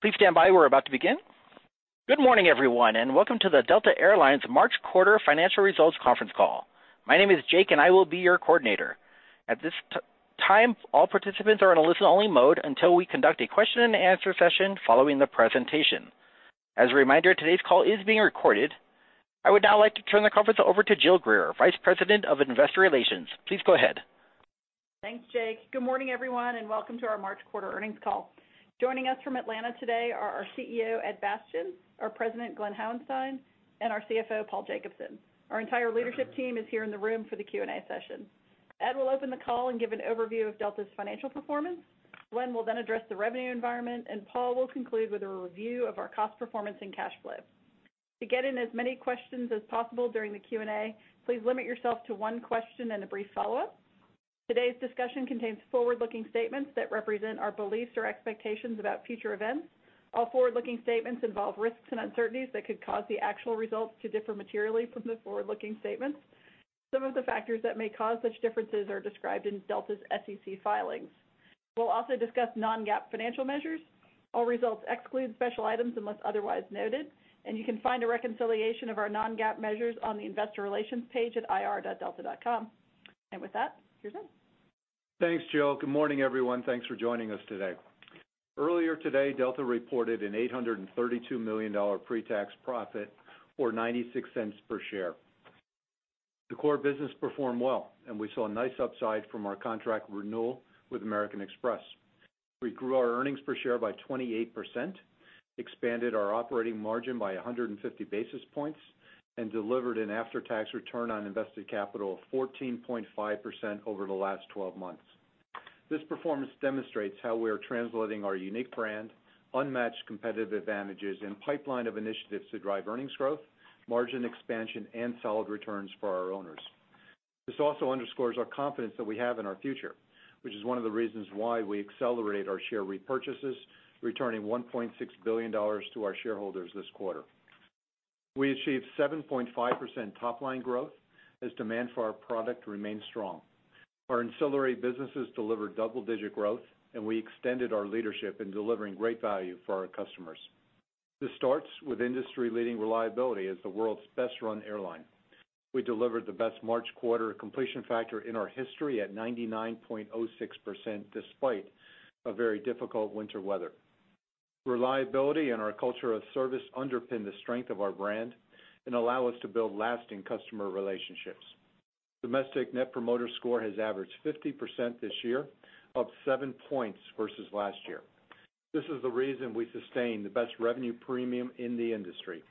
Please stand by. We're about to begin. Good morning, everyone, and welcome to the Delta Air Lines March quarter financial results conference call. My name is Jake, and I will be your coordinator. At this time, all participants are in a listen-only mode until we conduct a question and answer session following the presentation. As a reminder, today's call is being recorded. I would now like to turn the conference over to Jill Greer, Vice President of Investor Relations. Please go ahead. Thanks, Jake. Good morning, everyone, and welcome to our March quarter earnings call. Joining us from Atlanta today are our CEO, Ed Bastian, our President, Glen Hauenstein, and our CFO, Paul Jacobson. Our entire leadership team is here in the room for the Q&A session. Ed will open the call and give an overview of Delta's financial performance. Glen will then address the revenue environment, and Paul will conclude with a review of our cost performance and cash flow. To get in as many questions as possible during the Q&A, please limit yourself to one question and a brief follow-up. Today's discussion contains forward-looking statements that represent our beliefs or expectations about future events. All forward-looking statements involve risks and uncertainties that could cause the actual results to differ materially from the forward-looking statements. Some of the factors that may cause such differences are described in Delta's SEC filings. We'll also discuss non-GAAP financial measures. All results exclude special items unless otherwise noted, and you can find a reconciliation of our non-GAAP measures on the investor relations page at ir.delta.com. With that, here's Ed. Thanks, Jill. Good morning, everyone. Thanks for joining us today. Earlier today, Delta reported an $832 million pre-tax profit or $0.96 per share. The core business performed well, and we saw a nice upside from our contract renewal with American Express. We grew our earnings per share by 28%, expanded our operating margin by 150 basis points, and delivered an after-tax return on invested capital of 14.5% over the last 12 months. This performance demonstrates how we are translating our unique brand, unmatched competitive advantages, and pipeline of initiatives to drive earnings growth, margin expansion, and solid returns for our owners. This also underscores our confidence that we have in our future, which is one of the reasons why we accelerate our share repurchases, returning $1.6 billion to our shareholders this quarter. We achieved 7.5% top-line growth as demand for our product remained strong. Our ancillary businesses delivered double-digit growth, and we extended our leadership in delivering great value for our customers. This starts with industry-leading reliability as the world's best-run airline. We delivered the best March quarter completion factor in our history at 99.06%, despite a very difficult winter weather. Reliability and our culture of service underpin the strength of our brand and allow us to build lasting customer relationships. Domestic Net Promoter Score has averaged 50% this year, up seven points versus last year. This is the reason we sustain the best revenue premium in the industry.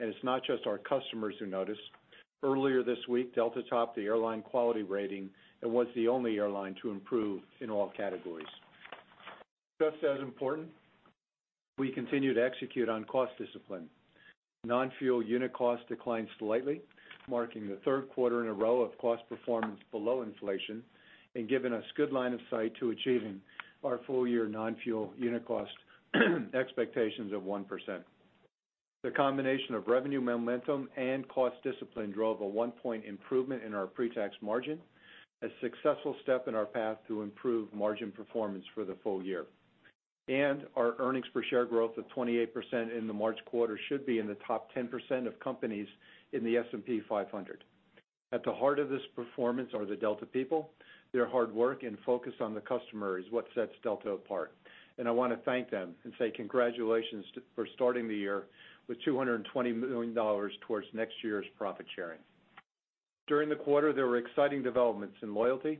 It is not just our customers who notice. Earlier this week, Delta topped the Airline Quality Rating and was the only airline to improve in all categories. Just as important, we continue to execute on cost discipline. Non-fuel unit cost declined slightly, marking the third quarter in a row of cost performance below inflation and giving us good line of sight to achieving our full-year non-fuel unit cost expectations of 1%. The combination of revenue momentum and cost discipline drove a one-point improvement in our pre-tax margin, a successful step in our path to improve margin performance for the full year. Our EPS growth of 28% in the March quarter should be in the top 10% of companies in the S&P 500. At the heart of this performance are the Delta people. Their hard work and focus on the customer is what sets Delta apart. I want to thank them and say congratulations for starting the year with $220 million towards next year's profit sharing. During the quarter, there were exciting developments in loyalty,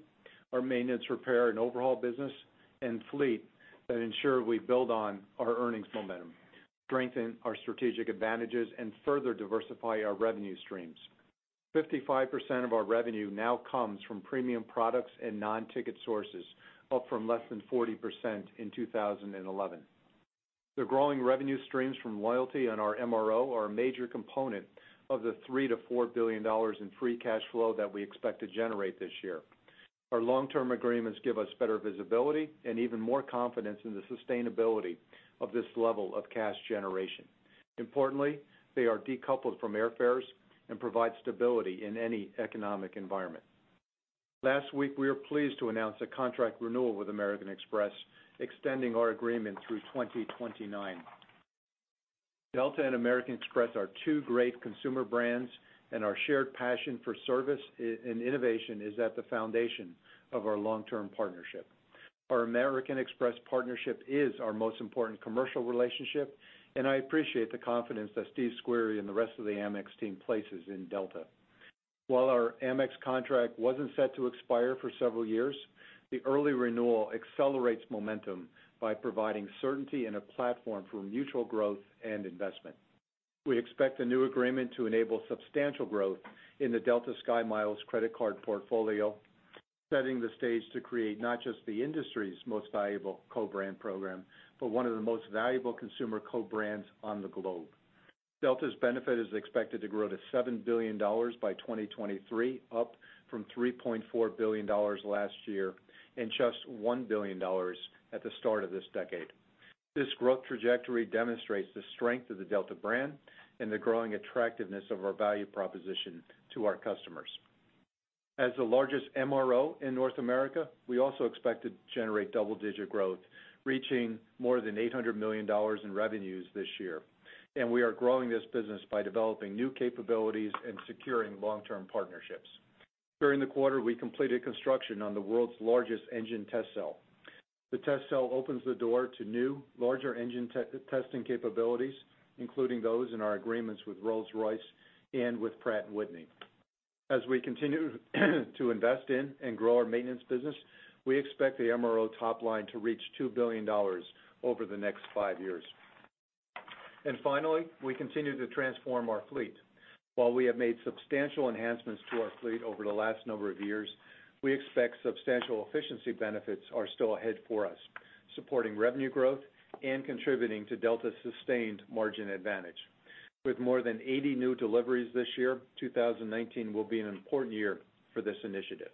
our MRO business, and fleet that ensure we build on our earnings momentum, strengthen our strategic advantages, and further diversify our revenue streams. 55% of our revenue now comes from premium products and non-ticket sources, up from less than 40% in 2011. The growing revenue streams from loyalty and our MRO are a major component of the $3 billion-$4 billion in free cash flow that we expect to generate this year. Our long-term agreements give us better visibility and even more confidence in the sustainability of this level of cash generation. Importantly, they are decoupled from airfares and provide stability in any economic environment. Last week, we were pleased to announce a contract renewal with American Express, extending our agreement through 2029. Delta and American Express are two great consumer brands, and our shared passion for service and innovation is at the foundation of our long-term partnership. Our American Express partnership is our most important commercial relationship. I appreciate the confidence that Steve Squeri and the rest of the Amex team places in Delta. While our Amex contract was not set to expire for several years, the early renewal accelerates momentum by providing certainty and a platform for mutual growth and investment. We expect the new agreement to enable substantial growth in the Delta SkyMiles credit card portfolio, setting the stage to create not just the industry's most valuable co-brand program, but one of the most valuable consumer co-brands on the globe. Delta's benefit is expected to grow to $7 billion by 2023, up from $3.4 billion last year and just $1 billion at the start of this decade. This growth trajectory demonstrates the strength of the Delta brand and the growing attractiveness of our value proposition to our customers. As the largest MRO in North America, we also expect to generate double-digit growth, reaching more than $800 million in revenues this year. We are growing this business by developing new capabilities and securing long-term partnerships. During the quarter, we completed construction on the world's largest engine test cell. The test cell opens the door to new, larger engine testing capabilities, including those in our agreements with Rolls-Royce and with Pratt & Whitney. As we continue to invest in and grow our maintenance business, we expect the MRO top line to reach $2 billion over the next five years. Finally, we continue to transform our fleet. While we have made substantial enhancements to our fleet over the last number of years, we expect substantial efficiency benefits are still ahead for us, supporting revenue growth and contributing to Delta's sustained margin advantage. With more than 80 new deliveries this year, 2019 will be an important year for this initiative.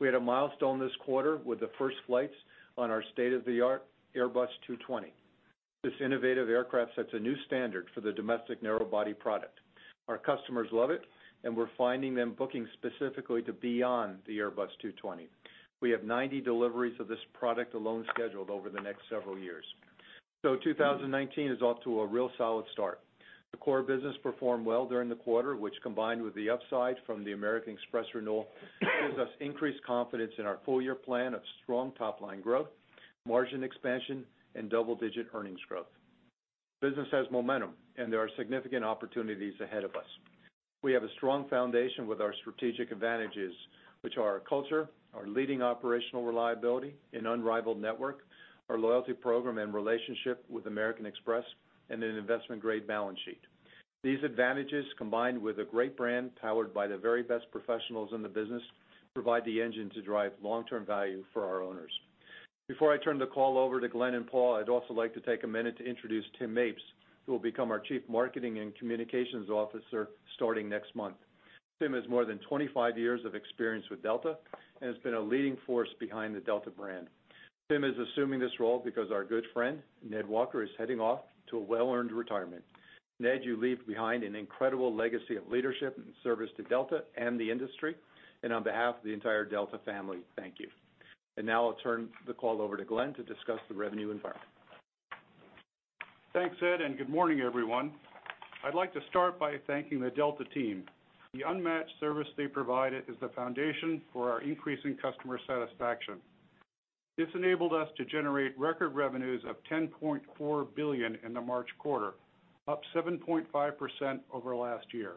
We had a milestone this quarter with the first flights on our state-of-the-art Airbus A220. This innovative aircraft sets a new standard for the domestic narrow body product. Our customers love it, and we're finding them booking specifically to beyond the Airbus A220. We have 90 deliveries of this product alone scheduled over the next several years. 2019 is off to a real solid start. The core business performed well during the quarter, which combined with the upside from the American Express renewal, gives us increased confidence in our full-year plan of strong top-line growth, margin expansion, and double-digit earnings growth. Business has momentum, and there are significant opportunities ahead of us. We have a strong foundation with our strategic advantages, which are our culture, our leading operational reliability and unrivaled network, our loyalty program and relationship with American Express, and an investment-grade balance sheet. These advantages, combined with a great brand powered by the very best professionals in the business, provide the engine to drive long-term value for our owners. Before I turn the call over to Glen and Paul, I'd also like to take a minute to introduce Tim Mapes, who will become our Chief Marketing and Communications Officer starting next month. Tim has more than 25 years of experience with Delta and has been a leading force behind the Delta brand. Tim is assuming this role because our good friend, Ned Walker, is heading off to a well-earned retirement. Ned, you leave behind an incredible legacy of leadership and service to Delta and the industry. On behalf of the entire Delta family, thank you. Now I'll turn the call over to Glen to discuss the revenue environment. Thanks, Ed, and good morning, everyone. I'd like to start by thanking the Delta team. The unmatched service they provided is the foundation for our increasing customer satisfaction. This enabled us to generate record revenues of $10.4 billion in the March quarter, up 7.5% over last year.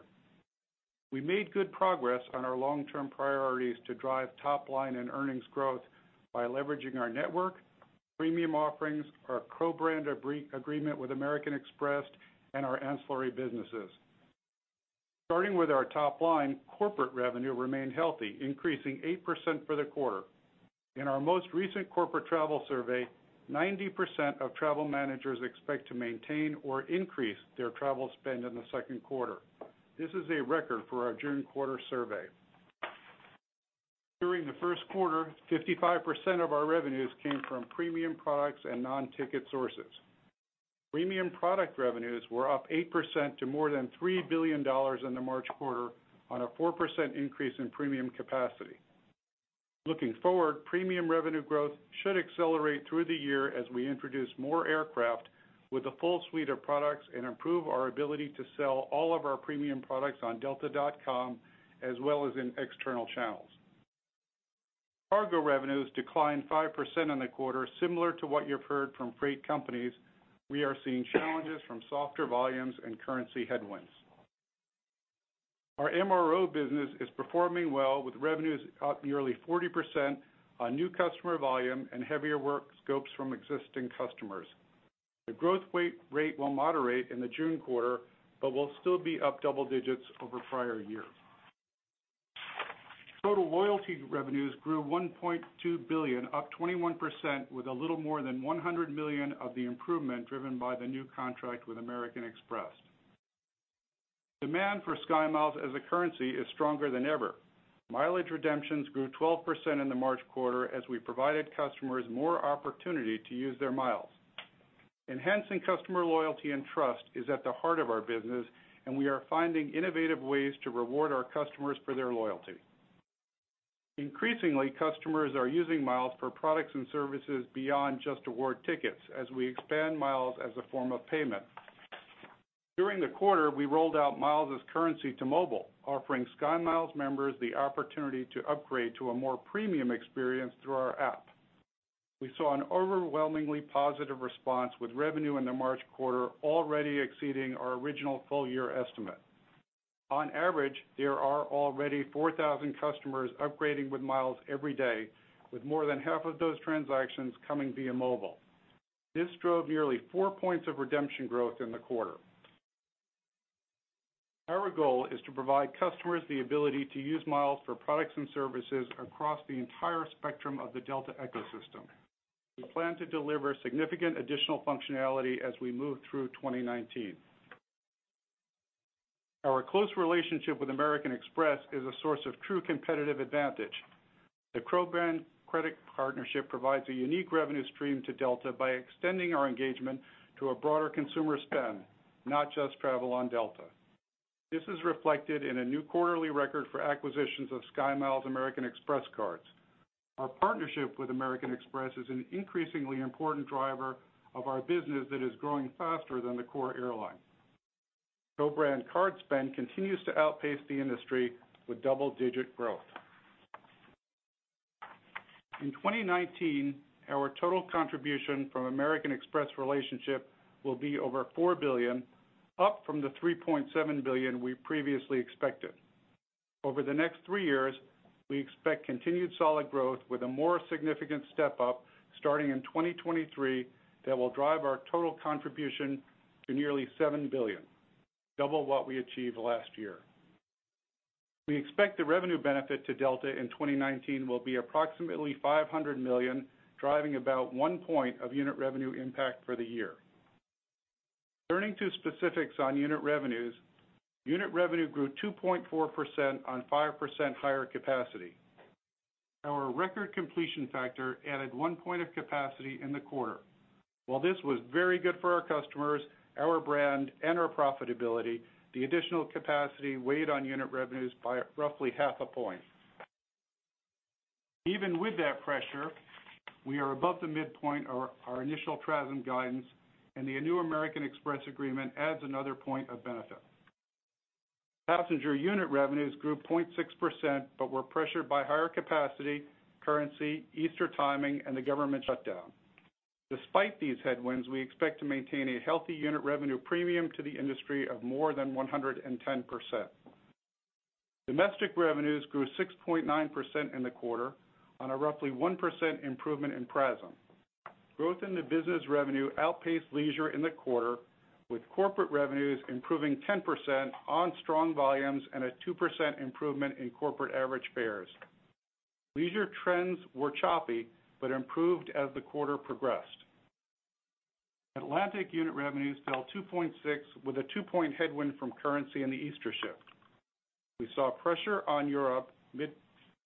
We made good progress on our long-term priorities to drive top line and earnings growth by leveraging our network, premium offerings, our co-brand agreement with American Express, and our ancillary businesses. Starting with our top line, corporate revenue remained healthy, increasing 8% for the quarter. In our most recent corporate travel survey, 90% of travel managers expect to maintain or increase their travel spend in the second quarter. This is a record for our June quarter survey. During the first quarter, 55% of our revenues came from premium products and non-ticket sources. Premium product revenues were up 8% to more than $3 billion in the March quarter on a 4% increase in premium capacity. Looking forward, premium revenue growth should accelerate through the year as we introduce more aircraft with a full suite of products and improve our ability to sell all of our premium products on delta.com, as well as in external channels. Cargo revenues declined 5% in the quarter. Similar to what you've heard from freight companies, we are seeing challenges from softer volumes and currency headwinds. Our MRO business is performing well with revenues up nearly 40% on new customer volume and heavier work scopes from existing customers. The growth rate will moderate in the June quarter but will still be up double digits over prior years. Total loyalty revenues grew $1.2 billion, up 21%, with a little more than $100 million of the improvement driven by the new contract with American Express. Demand for SkyMiles as a currency is stronger than ever. Mileage redemptions grew 12% in the March quarter as we provided customers more opportunity to use their miles. Enhancing customer loyalty and trust is at the heart of our business, and we are finding innovative ways to reward our customers for their loyalty. Increasingly, customers are using miles for products and services beyond just award tickets as we expand miles as a form of payment. During the quarter, we rolled out miles as currency to mobile, offering SkyMiles members the opportunity to upgrade to a more premium experience through our app. We saw an overwhelmingly positive response with revenue in the March quarter already exceeding our original full-year estimate. On average, there are already 4,000 customers upgrading with miles every day, with more than half of those transactions coming via mobile. This drove nearly four points of redemption growth in the quarter. Our goal is to provide customers the ability to use miles for products and services across the entire spectrum of the Delta ecosystem. We plan to deliver significant additional functionality as we move through 2019. Our close relationship with American Express is a source of true competitive advantage. The co-brand credit partnership provides a unique revenue stream to Delta by extending our engagement to a broader consumer spend, not just travel on Delta. This is reflected in a new quarterly record for acquisitions of SkyMiles American Express cards. Our partnership with American Express is an increasingly important driver of our business that is growing faster than the core airline. Co-brand card spend continues to outpace the industry with double-digit growth. In 2019, our total contribution from American Express relationship will be over $4 billion, up from the $3.7 billion we previously expected. Over the next three years, we expect continued solid growth with a more significant step-up starting in 2023 that will drive our total contribution to nearly $7 billion, double what we achieved last year. We expect the revenue benefit to Delta in 2019 will be approximately $500 million, driving about one point of unit revenue impact for the year. Turning to specifics on unit revenues. Unit revenue grew 2.4% on 5% higher capacity. Our record completion factor added one point of capacity in the quarter. While this was very good for our customers, our brand, and our profitability, the additional capacity weighed on unit revenues by roughly half a point. Even with that pressure, we are above the midpoint of our initial PRASM guidance, and the new American Express agreement adds another point of benefit. Passenger unit revenues grew 0.6%, but were pressured by higher capacity, currency, Easter timing, and the government shutdown. Despite these headwinds, we expect to maintain a healthy unit revenue premium to the industry of more than 110%. Domestic revenues grew 6.9% in the quarter on a roughly 1% improvement in PRASM. Growth in the business revenue outpaced leisure in the quarter, with corporate revenues improving 10% on strong volumes and a 2% improvement in corporate average fares. Leisure trends were choppy but improved as the quarter progressed. Atlantic unit revenues fell 2.6% with a two-point headwind from currency and the Easter shift. We saw pressure on Europe mid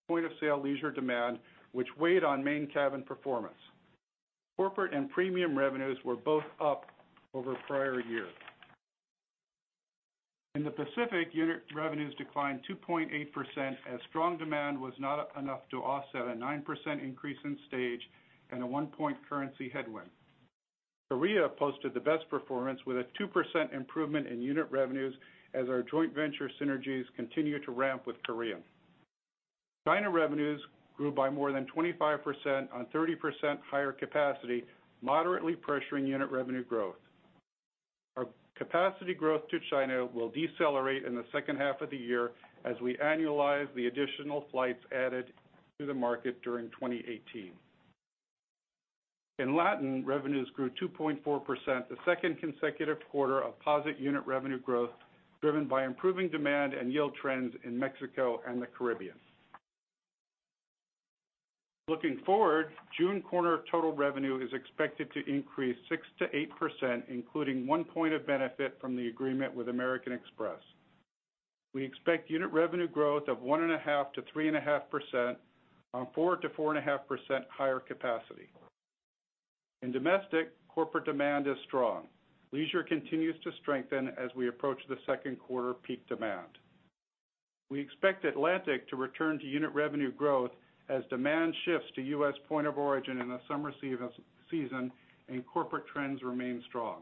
point-of-sale leisure demand, which weighed on main cabin performance. Corporate and premium revenues were both up over prior years. In the Pacific, unit revenues declined 2.8% as strong demand was not enough to offset a 9% increase in stage and a one-point currency headwind. Korea posted the best performance with a 2% improvement in unit revenues as our joint venture synergies continue to ramp with Korea. China revenues grew by more than 25% on 30% higher capacity, moderately pressuring unit revenue growth. Our capacity growth to China will decelerate in the second half of the year as we annualize the additional flights added to the market during 2018. In Latin, revenues grew 2.4%, the second consecutive quarter of positive unit revenue growth, driven by improving demand and yield trends in Mexico and the Caribbean. Looking forward, June quarter total revenue is expected to increase 6%-8%, including one point of benefit from the agreement with American Express. We expect unit revenue growth of 1.5%-3.5% on 4%-4.5% higher capacity. In Domestic, corporate demand is strong. Leisure continues to strengthen as we approach the second quarter peak demand. We expect Atlantic to return to unit revenue growth as demand shifts to U.S. point of origin in the summer season, and corporate trends remain strong.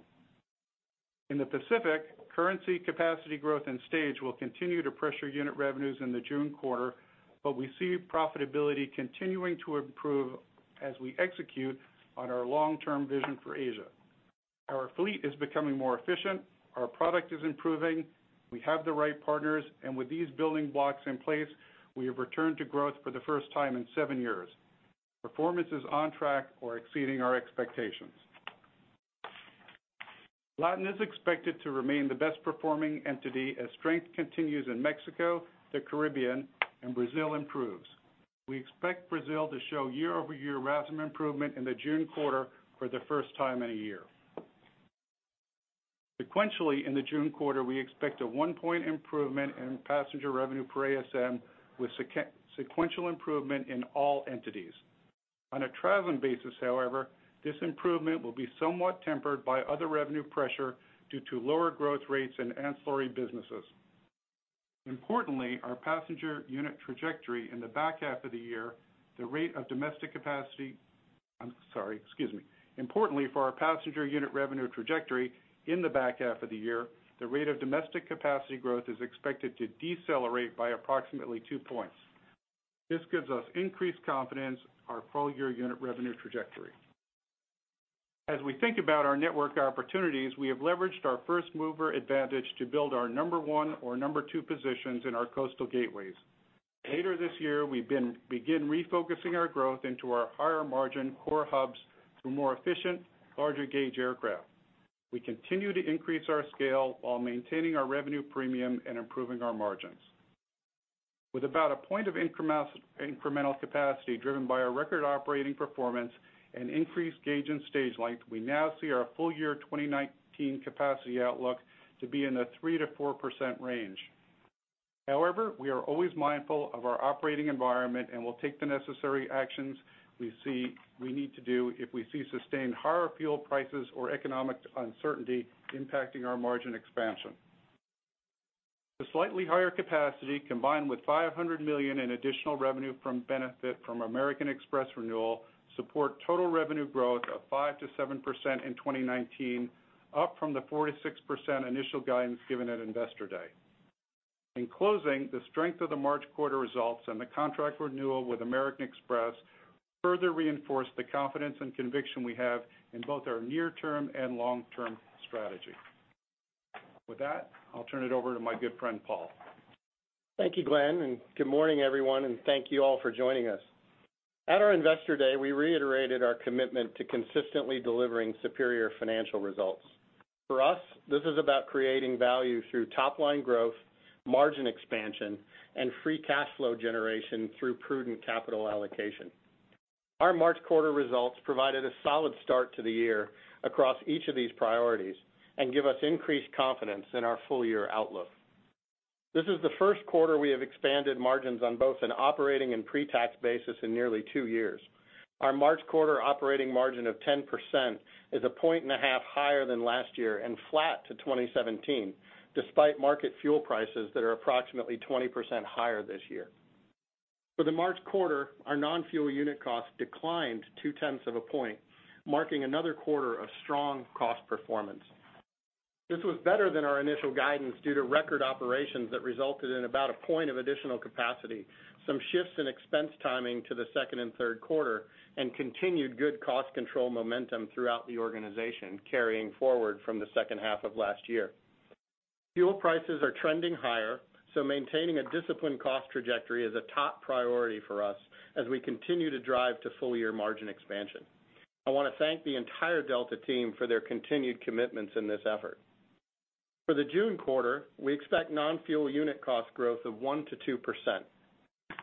In the Pacific, currency capacity growth and stage will continue to pressure unit revenues in the June quarter, but we see profitability continuing to improve as we execute on our long-term vision for Asia. Our fleet is becoming more efficient, our product is improving, we have the right partners, and with these building blocks in place, we have returned to growth for the first time in seven years. Performance is on track or exceeding our expectations. Latin is expected to remain the best-performing entity as strength continues in Mexico, the Caribbean, and Brazil improves. We expect Brazil to show year-over-year RASM improvement in the June quarter for the first time in a year. Sequentially, in the June quarter, we expect a one-point improvement in passenger revenue per ASM with sequential improvement in all entities. On a travel basis, however, this improvement will be somewhat tempered by other revenue pressure due to lower growth rates in ancillary businesses. Importantly, for our passenger unit revenue trajectory in the back half of the year, the rate of domestic capacity growth is expected to decelerate by approximately two points. This gives us increased confidence our full-year unit revenue trajectory. As we think about our network opportunities, we have leveraged our first-mover advantage to build our number one or number two positions in our coastal gateways. Later this year, we begin refocusing our growth into our higher margin core hubs through more efficient, larger gauge aircraft. We continue to increase our scale while maintaining our revenue premium and improving our margins. With about a point of incremental capacity driven by our record operating performance and increased gauge and stage length, we now see our full-year 2019 capacity outlook to be in the 3%-4% range. We are always mindful of our operating environment, and will take the necessary actions we need to do if we see sustained higher fuel prices or economic uncertainty impacting our margin expansion. The slightly higher capacity, combined with $500 million in additional revenue from benefit from American Express renewal, support total revenue growth of 5%-7% in 2019, up from the 4%-6% initial guidance given at Investor Day. In closing, the strength of the March quarter results and the contract renewal with American Express further reinforce the confidence and conviction we have in both our near-term and long-term strategy. With that, I'll turn it over to my good friend, Paul. Thank you, Glen. Good morning, everyone, and thank you all for joining us. At our Investor Day, we reiterated our commitment to consistently delivering superior financial results. For us, this is about creating value through top-line growth, margin expansion, and free cash flow generation through prudent capital allocation. Our March quarter results provided a solid start to the year across each of these priorities and give us increased confidence in our full-year outlook. This is the first quarter we have expanded margins on both an operating and pre-tax basis in nearly two years. Our March quarter operating margin of 10% is a point and a half higher than last year and flat to 2017, despite market fuel prices that are approximately 20% higher this year. For the March quarter, our non-fuel unit cost declined two-tenths of a point, marking another quarter of strong cost performance. This was better than our initial guidance due to record operations that resulted in about a point of additional capacity, some shifts in expense timing to the second and third quarter, and continued good cost control momentum throughout the organization carrying forward from the second half of last year. Fuel prices are trending higher, maintaining a disciplined cost trajectory is a top priority for us as we continue to drive to full-year margin expansion. I want to thank the entire Delta team for their continued commitments in this effort. For the June quarter, we expect non-fuel unit cost growth of 1%-2%.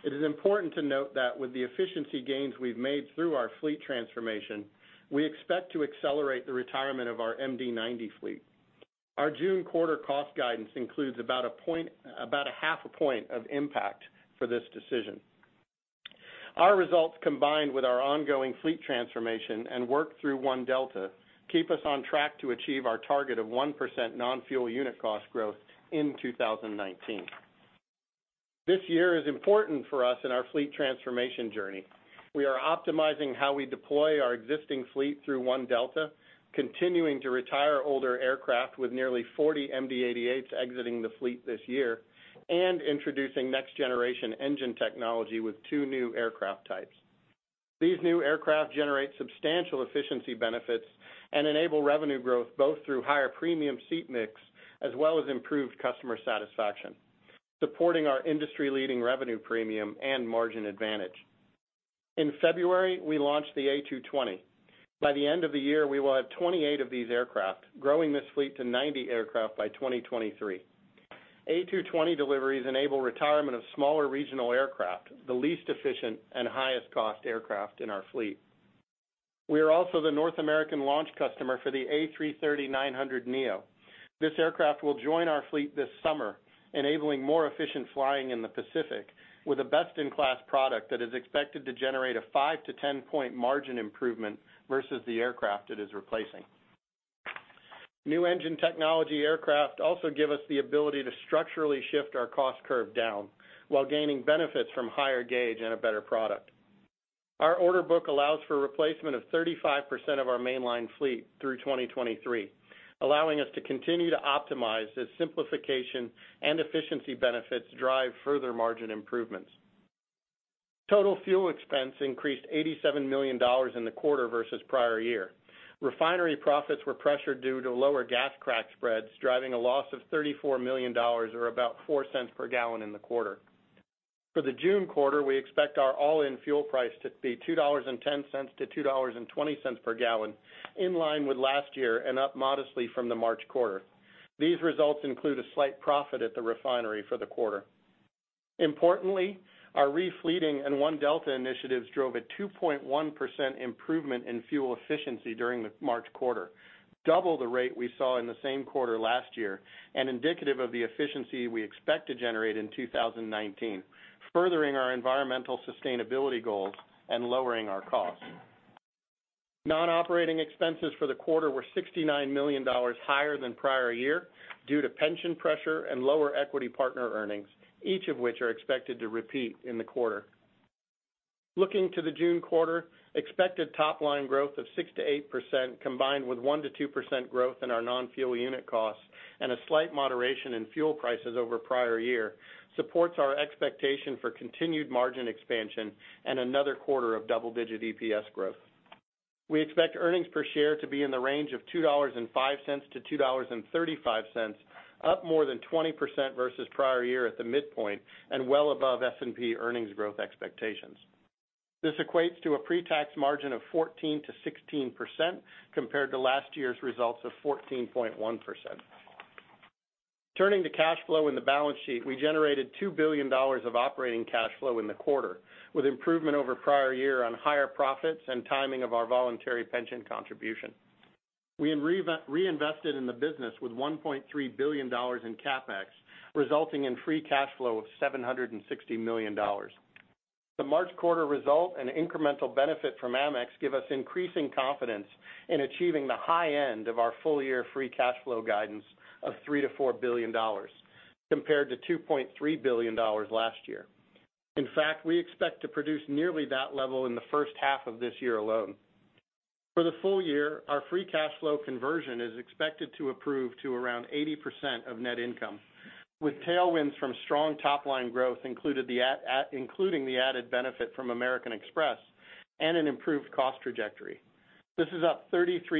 It is important to note that with the efficiency gains we've made through our fleet transformation, we expect to accelerate the retirement of our MD-90 fleet. Our June quarter cost guidance includes about a half a point of impact for this decision. Our results, combined with our ongoing fleet transformation and work through One Delta, keep us on track to achieve our target of 1% non-fuel unit cost growth in 2019. This year is important for us in our fleet transformation journey. We are optimizing how we deploy our existing fleet through One Delta, continuing to retire older aircraft with nearly 40 MD-88s exiting the fleet this year, and introducing next generation engine technology with 2 new aircraft types. These new aircraft generate substantial efficiency benefits and enable revenue growth, both through higher premium seat mix as well as improved customer satisfaction, supporting our industry-leading revenue premium and margin advantage. In February, we launched the A220. By the end of the year, we will have 28 of these aircraft, growing this fleet to 90 aircraft by 2023. A220 deliveries enable retirement of smaller regional aircraft, the least efficient and highest cost aircraft in our fleet. We are also the North American launch customer for the A330-900neo. This aircraft will join our fleet this summer, enabling more efficient flying in the Pacific with a best-in-class product that is expected to generate a 5- to 10-point margin improvement versus the aircraft it is replacing. New engine technology aircraft also give us the ability to structurally shift our cost curve down while gaining benefits from higher gauge and a better product. Our order book allows for replacement of 35% of our mainline fleet through 2023, allowing us to continue to optimize the simplification and efficiency benefits drive further margin improvements. Total fuel expense increased $87 million in the quarter versus prior year. Refinery profits were pressured due to lower gas crack spreads, driving a loss of $34 million, or about $0.04 per gallon in the quarter. For the June quarter, we expect our all-in fuel price to be $2.10-$2.20 per gallon, in line with last year and up modestly from the March quarter. These results include a slight profit at the refinery for the quarter. Importantly, our refleeting and One Delta initiatives drove a 2.1% improvement in fuel efficiency during the March quarter, double the rate we saw in the same quarter last year, and indicative of the efficiency we expect to generate in 2019, furthering our environmental sustainability goals and lowering our costs. Non-operating expenses for the quarter were $69 million higher than prior year due to pension pressure and lower equity partner earnings, each of which are expected to repeat in the quarter. Looking to the June quarter, expected top line growth of 6%-8%, combined with 1%-2% growth in our non-fuel unit costs and a slight moderation in fuel prices over prior year, supports our expectation for continued margin expansion and another quarter of double-digit EPS growth. We expect earnings per share to be in the range of $2.05-$2.35, up more than 20% versus prior year at the midpoint, and well above S&P earnings growth expectations. This equates to a pre-tax margin of 14%-16%, compared to last year's results of 14.1%. Turning to cash flow in the balance sheet, we generated $2 billion of operating cash flow in the quarter, with improvement over prior year on higher profits and timing of our voluntary pension contribution. We reinvested in the business with $1.3 billion in CapEx, resulting in free cash flow of $760 million. The March quarter result and incremental benefit from Amex give us increasing confidence in achieving the high end of our full-year free cash flow guidance of $3 billion-$4 billion, compared to $2.3 billion last year. In fact, we expect to produce nearly that level in the first half of this year alone. For the full year, our free cash flow conversion is expected to improve to around 80% of net income, with tailwinds from strong top-line growth including the added benefit from American Express, and an improved cost trajectory. This is up 33%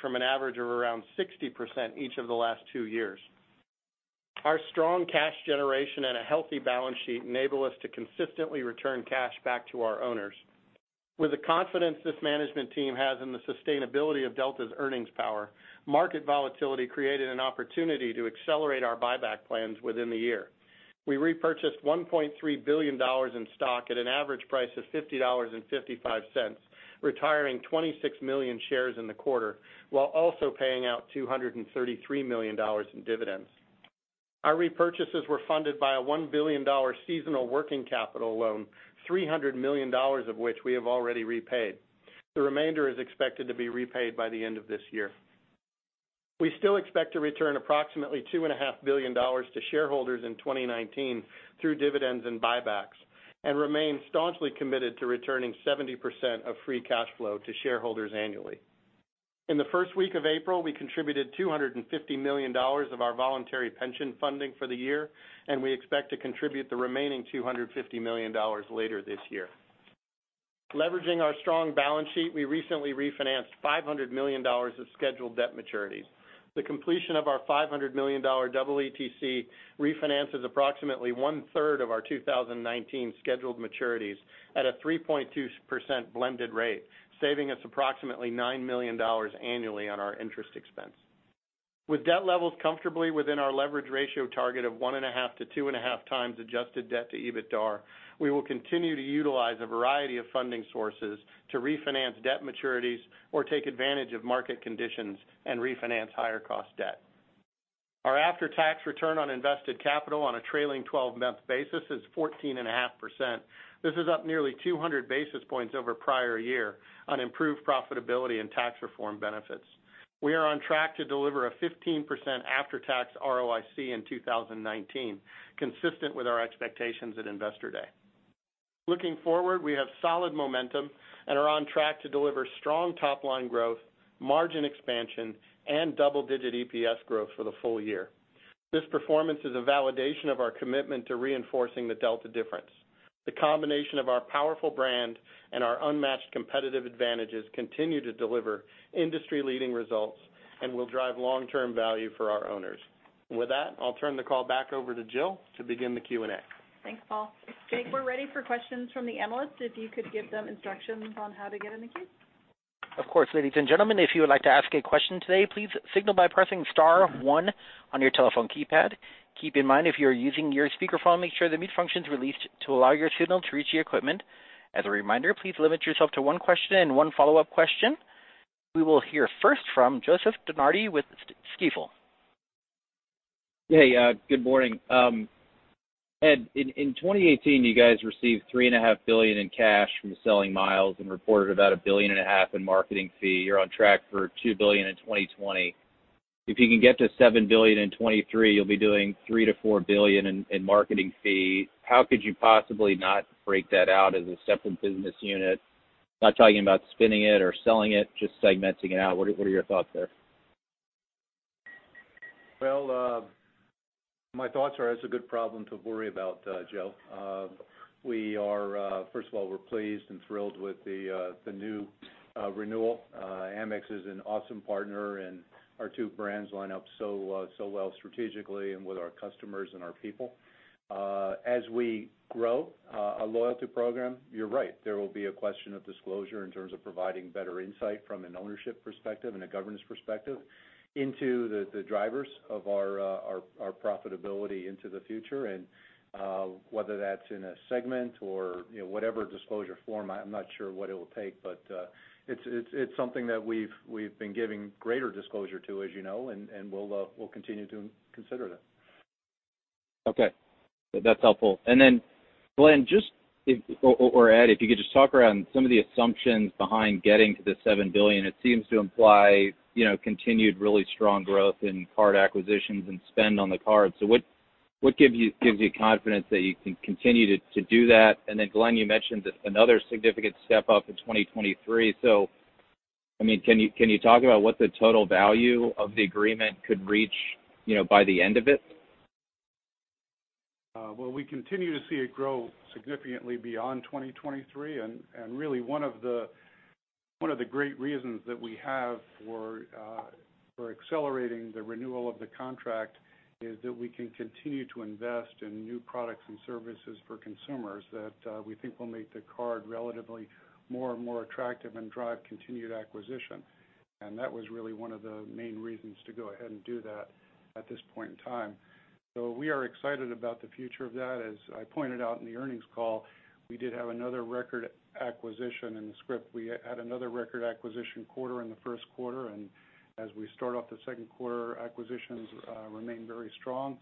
from an average of around 60% each of the last two years. Our strong cash generation and a healthy balance sheet enable us to consistently return cash back to our owners. With the confidence this management team has in the sustainability of Delta's earnings power, market volatility created an opportunity to accelerate our buyback plans within the year. We repurchased $1.3 billion in stock at an average price of $50.55, retiring 26 million shares in the quarter, while also paying out $233 million in dividends. Our repurchases were funded by a $1 billion seasonal working capital loan, $300 million of which we have already repaid. The remainder is expected to be repaid by the end of this year. We still expect to return approximately $2.5 billion to shareholders in 2019 through dividends and buybacks, and remain staunchly committed to returning 70% of free cash flow to shareholders annually. In the first week of April, we contributed $250 million of our voluntary pension funding for the year, and we expect to contribute the remaining $250 million later this year. Leveraging our strong balance sheet, we recently refinanced $500 million of scheduled debt maturities. The completion of our $500 million double EETC refinance is approximately one-third of our 2019 scheduled maturities at a 3.2% blended rate, saving us approximately $9 million annually on our interest expense. With debt levels comfortably within our leverage ratio target of 1.5-2.5 times adjusted debt to EBITDAR, we will continue to utilize a variety of funding sources to refinance debt maturities or take advantage of market conditions and refinance higher cost debt. Our after-tax return on invested capital on a trailing 12-month basis is 14.5%. This is up nearly 200 basis points over prior year on improved profitability and tax reform benefits. We are on track to deliver a 15% after-tax ROIC in 2019, consistent with our expectations at Investor Day. Looking forward, we have solid momentum and are on track to deliver strong top-line growth, margin expansion, and double-digit EPS growth for the full year. This performance is a validation of our commitment to reinforcing the Delta Difference. The combination of our powerful brand and our unmatched competitive advantages continue to deliver industry-leading results and will drive long-term value for our owners. I'll turn the call back over to Jill to begin the Q&A. Thanks, Paul. Jake, we are ready for questions from the analysts. If you could give them instructions on how to get in the queue. Of course. Ladies and gentlemen, if you would like to ask a question today, please signal by pressing *1 on your telephone keypad. Keep in mind, if you are using your speakerphone, make sure the mute function is released to allow your signal to reach the equipment. As a reminder, please limit yourself to one question and one follow-up question. We will hear first from Joseph DeNardi with Stifel. Hey, good morning. Ed, in 2018, you guys received $3.5 billion in cash from selling miles and reported about $1.5 billion in marketing fee. You are on track for $2 billion in 2020. If you can get to $7 billion in 2023, you will be doing $3 billion-$4 billion in marketing fee. How could you possibly not break that out as a separate business unit? Not talking about spinning it or selling it, just segmenting it out. What are your thoughts there? My thoughts are it's a good problem to worry about, Jose. First of all, we're pleased and thrilled with the new renewal. Amex is an awesome partner, and our two brands line up so well strategically and with our customers and our people. As we grow a loyalty program, you're right. There will be a question of disclosure in terms of providing better insight from an ownership perspective and a governance perspective into the drivers of our profitability into the future, and whether that's in a segment or whatever disclosure form. I'm not sure what it will take, but it's something that we've been giving greater disclosure to, as you know, and we'll continue to consider that. Okay. That's helpful. Glen, or Ed, if you could just talk around some of the assumptions behind getting to the $7 billion. It seems to imply continued really strong growth in card acquisitions and spend on the card. What gives you confidence that you can continue to do that? Glen, you mentioned another significant step-up in 2023. Can you talk about what the total value of the agreement could reach by the end of it? We continue to see it grow significantly beyond 2023. Really one of the One of the great reasons that we have for accelerating the renewal of the contract is that we can continue to invest in new products and services for consumers that we think will make the card relatively more and more attractive and drive continued acquisition. That was really one of the main reasons to go ahead and do that at this point in time. We are excited about the future of that. As I pointed out in the earnings call, we did have another record acquisition in the SkyMiles. We had another record acquisition quarter in the first quarter, and as we start off the second quarter, acquisitions remain very strong.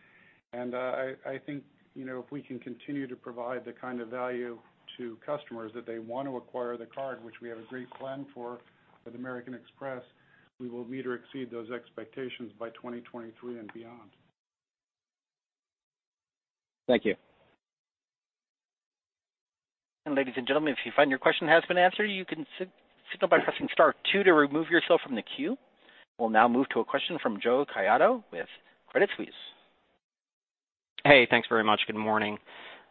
I think if we can continue to provide the kind of value to customers that they want to acquire the card, which we have a great plan for with American Express, we will meet or exceed those expectations by 2023 and beyond. Thank you. Ladies and gentlemen, if you find your question has been answered, you can signal by pressing star 2 to remove yourself from the queue. We'll now move to a question from Jose Caiado with Credit Suisse. Hey, thanks very much. Good morning.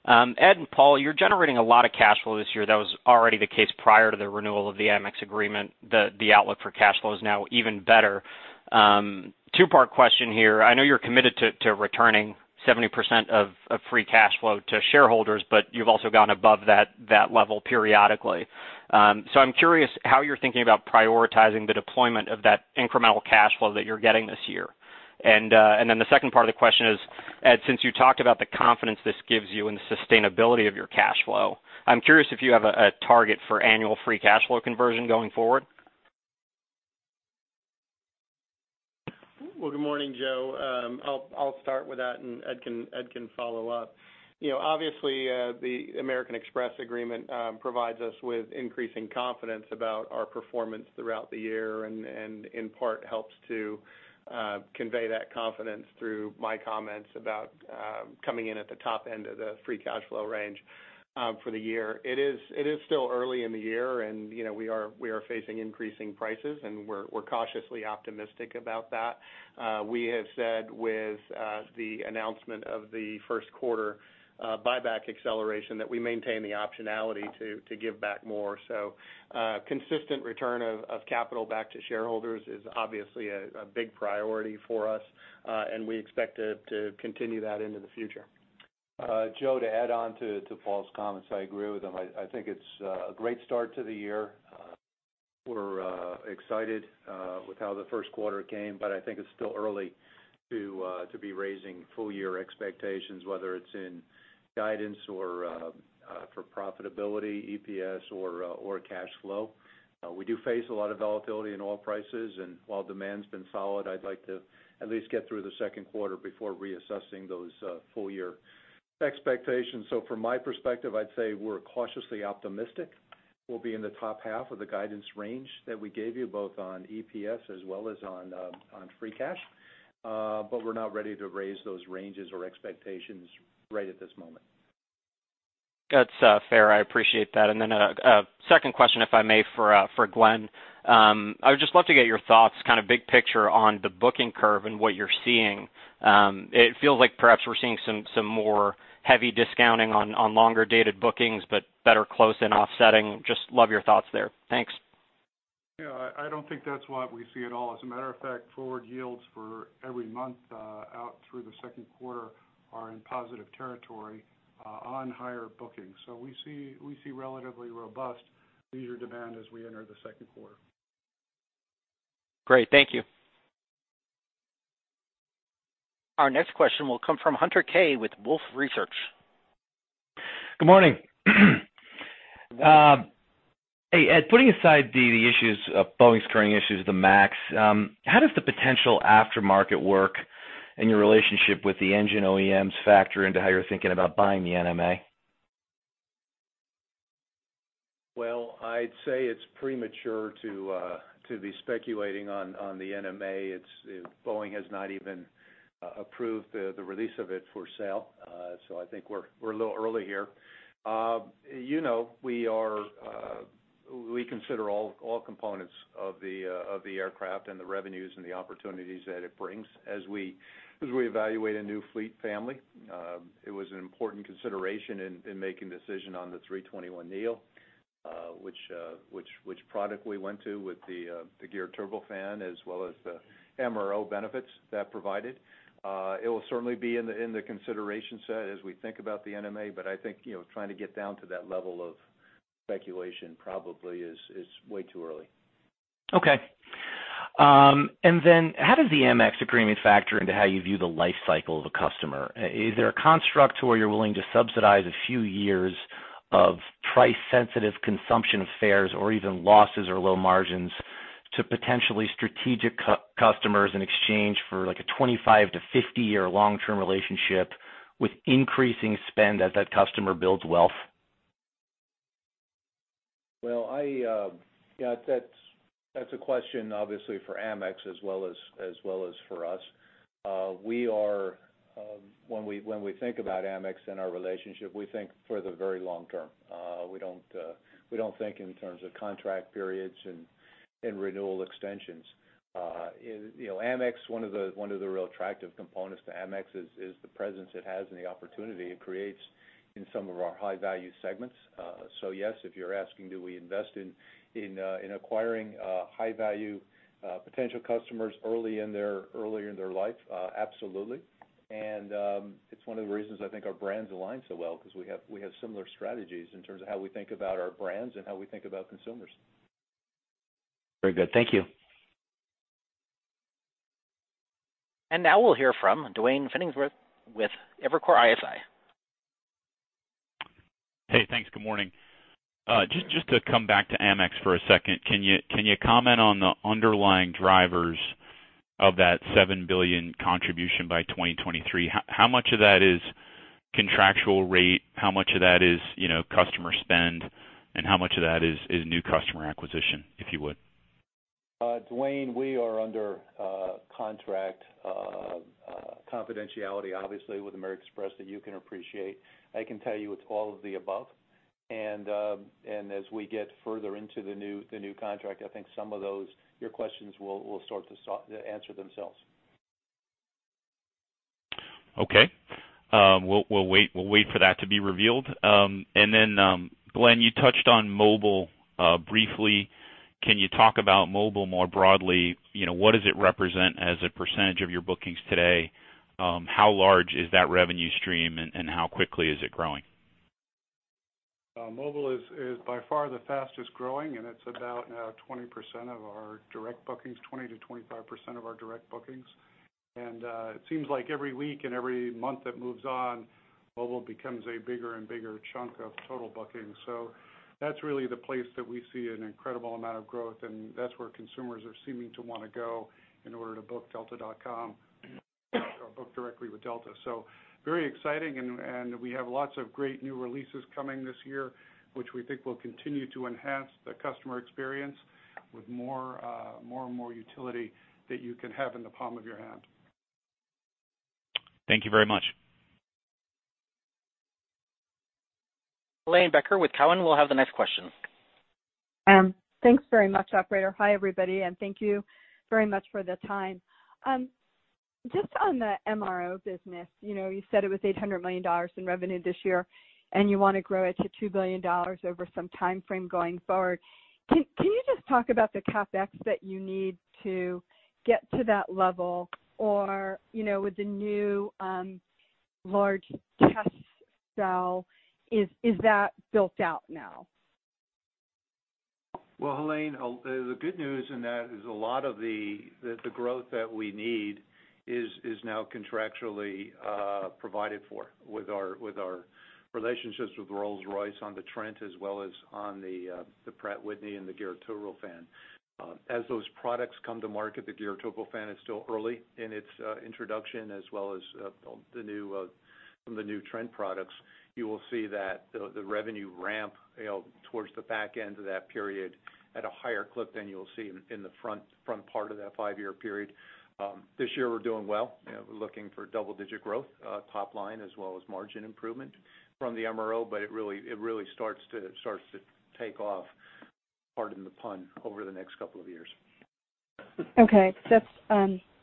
Ed and Paul, you're generating a lot of cash flow this year. That was already the case prior to the renewal of the Amex agreement. The outlook for cash flow is now even better. Two-part question here. I know you're committed to returning 70% of free cash flow to shareholders, but you've also gone above that level periodically. I'm curious how you're thinking about prioritizing the deployment of that incremental cash flow that you're getting this year. Then the second part of the question is, Ed, since you talked about the confidence this gives you and the sustainability of your cash flow, I'm curious if you have a target for annual free cash flow conversion going forward. Well, good morning, Jose. I'll start with that, and Ed can follow up. Obviously, the American Express agreement provides us with increasing confidence about our performance throughout the year, and in part helps to convey that confidence through my comments about coming in at the top end of the free cash flow range for the year. It is still early in the year, and we are facing increasing prices, and we're cautiously optimistic about that. We have said with the announcement of the first quarter buyback acceleration that we maintain the optionality to give back more. Consistent return of capital back to shareholders is obviously a big priority for us, and we expect to continue that into the future. Jose, to add on to Paul's comments, I agree with him. I think it's a great start to the year. We're excited with how the first quarter came, but I think it's still early to be raising full-year expectations, whether it's in guidance or for profitability, EPS, or cash flow. We do face a lot of volatility in oil prices, and while demand's been solid, I'd like to at least get through the second quarter before reassessing those full-year expectations. From my perspective, I'd say we're cautiously optimistic we'll be in the top half of the guidance range that we gave you, both on EPS as well as on free cash. We're not ready to raise those ranges or expectations right at this moment. That's fair. I appreciate that. A second question, if I may, for Glen. I would just love to get your thoughts, big picture, on the booking curve and what you're seeing. It feels like perhaps we're seeing some more heavy discounting on longer-dated bookings, but better close and offsetting. Just love your thoughts there. Thanks. Yeah, I don't think that's what we see at all. As a matter of fact, forward yields for every month out through the second quarter are in positive territory on higher bookings. We see relatively robust leisure demand as we enter the second quarter. Great. Thank you. Our next question will come from Hunter Keay with Wolfe Research. Good morning. Hey, Ed, putting aside the issues of Boeing's current issues with the Max, how does the potential aftermarket work and your relationship with the engine OEMs factor into how you're thinking about buying the NMA? Well, I'd say it's premature to be speculating on the NMA. Boeing has not even approved the release of it for sale. I think we're a little early here. We consider all components of the aircraft and the revenues and the opportunities that it brings as we evaluate a new fleet family. It was an important consideration in making the decision on the A321neo, which product we went to with the Geared Turbofan, as well as the MRO benefits that provided. It will certainly be in the consideration set as we think about the NMA, I think trying to get down to that level of speculation probably is way too early. How does the Amex agreement factor into how you view the life cycle of a customer? Is there a construct to where you're willing to subsidize a few years of price-sensitive consumption of fares, or even losses or low margins to potentially strategic customers in exchange for a 25- to 50-year long-term relationship with increasing spend as that customer builds wealth? Well, that's a question obviously for Amex as well as for us. When we think about Amex and our relationship, we think for the very long term. We don't think in terms of contract periods and Renewal extensions. Amex, one of the real attractive components to Amex is the presence it has and the opportunity it creates in some of our high-value segments. Yes, if you're asking do we invest in acquiring high-value potential customers early in their life, absolutely. It's one of the reasons I think our brands align so well, because we have similar strategies in terms of how we think about our brands and how we think about consumers. Very good. Thank you. Now we'll hear from Duane Pfennigwerth with Evercore ISI. Hey, thanks. Good morning. Just to come back to Amex for a second. Can you comment on the underlying drivers of that $7 billion contribution by 2023? How much of that is contractual rate? How much of that is customer spend, and how much of that is new customer acquisition, if you would? Duane, we are under contract confidentiality, obviously, with American Express that you can appreciate. I can tell you it's all of the above. As we get further into the new contract, I think some of your questions will start to answer themselves. Okay. We'll wait for that to be revealed. Then Glen, you touched on mobile briefly. Can you talk about mobile more broadly? What does it represent as a % of your bookings today? How large is that revenue stream, and how quickly is it growing? Mobile is by far the fastest-growing, it's about now 20% of our direct bookings, 20%-25% of our direct bookings. It seems like every week and every month it moves on, mobile becomes a bigger and bigger chunk of total bookings. That's really the place that we see an incredible amount of growth, and that's where consumers are seeming to want to go in order to book delta.com or book directly with Delta. Very exciting, and we have lots of great new releases coming this year, which we think will continue to enhance the customer experience with more and more utility that you can have in the palm of your hand. Thank you very much. Helane Becker with Cowen will have the next question. Thanks very much, operator. Hi, everybody, and thank you very much for the time. Just on the MRO business. You said it was $800 million in revenue this year, and you want to grow it to $2 billion over some timeframe going forward. Can you just talk about the CapEx that you need to get to that level, or, with the new large test cell, is that built out now? Well, Helane, the good news in that is a lot of the growth that we need is now contractually provided for with our relationships with Rolls-Royce on the Trent, as well as on the Pratt & Whitney and the Geared Turbofan. As those products come to market, the Geared Turbofan is still early in its introduction, as well as some of the new Trent products. You will see that the revenue ramp towards the back end of that period at a higher clip than you'll see in the front part of that five-year period. This year, we're doing well. We're looking for double-digit growth, top line, as well as margin improvement from the MRO. It really starts to take off, pardon the pun, over the next couple of years.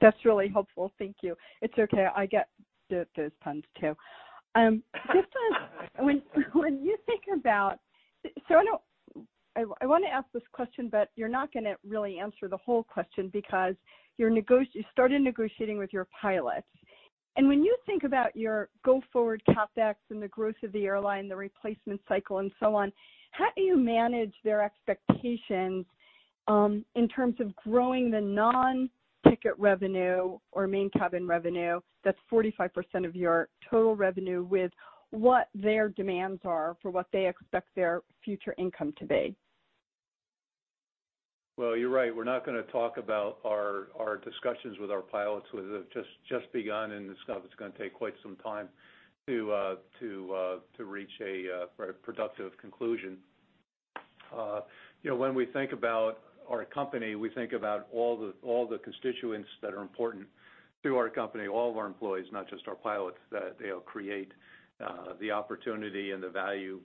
That's really helpful. Thank you. It's okay. I get those puns too. I want to ask this question, you're not going to really answer the whole question because you started negotiating with your pilots. When you think about your go-forward CapEx and the growth of the airline, the replacement cycle and so on, how do you manage their expectations in terms of growing the non-ticket revenue or main cabin revenue, that's 45% of your total revenue, with what their demands are for what they expect their future income to be? Well, you're right. We're not going to talk about our discussions with our pilots, which have just begun, it's going to take quite some time to reach a productive conclusion. When we think about our company, we think about all the constituents that are important to our company, all of our employees, not just our pilots, that they'll create the opportunity and the value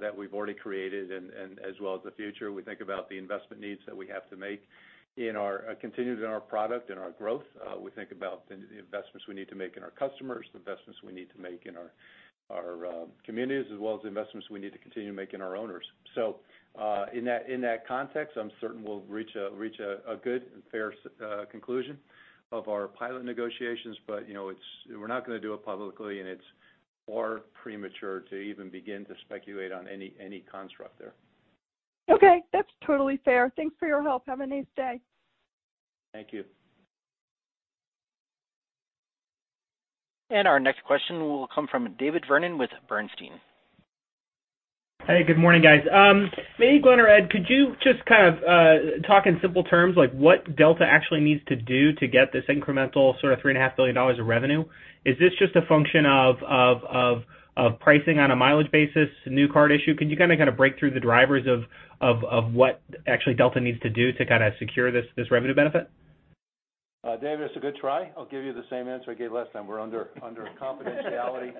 that we've already created and as well as the future. We think about the investment needs that we have to make continued in our product and our growth. We think about the investments we need to make in our customers, the investments we need to make in our communities, as well as the investments we need to continue to make in our owners. In that context, I'm certain we'll reach a good and fair conclusion of our pilot negotiations. We're not going to do it publicly, it's far premature to even begin to speculate on any construct there. Okay. That's totally fair. Thanks for your help. Have a nice day. Thank you. Our next question will come from David Vernon with Bernstein. Hey, good morning, guys. Maybe Glen or Ed, could you just kind of talk in simple terms, like what Delta actually needs to do to get this incremental sort of $3.5 billion of revenue? Is this just a function of pricing on a mileage basis, new card issue? Can you kind of break through the drivers of what actually Delta needs to do to kind of secure this revenue benefit? David, it's a good try. I'll give you the same answer I gave last time. We're under confidentiality,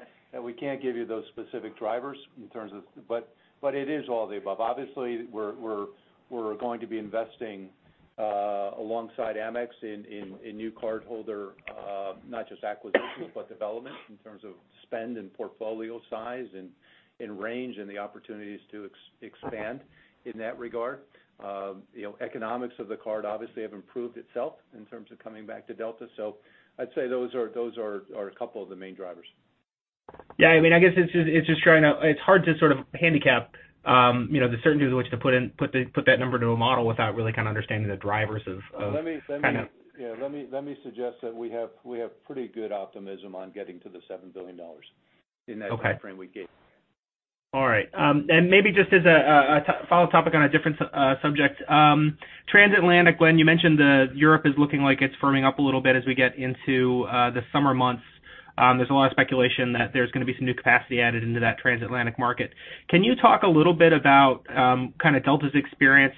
we can't give you those specific drivers. It is all the above. Obviously, we're going to be investing alongside Amex in new cardholder, not just acquisitions, but development in terms of spend and portfolio size, in range and the opportunities to expand in that regard. Economics of the card obviously have improved itself in terms of coming back to Delta. I'd say those are a couple of the main drivers. Yeah, I guess it's hard to sort of handicap the certainty with which to put that number to a model without really kind of understanding the drivers. Let me suggest that we have pretty good optimism on getting to the $7 billion in that time frame we gave. All right. Maybe just as a follow topic on a different subject. Transatlantic, Glen, you mentioned that Europe is looking like it's firming up a little bit as we get into the summer months. There's a lot of speculation that there's going to be some new capacity added into that transatlantic market. Can you talk a little bit about Delta's experience